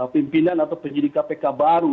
pimpinan atau penyidik kpk baru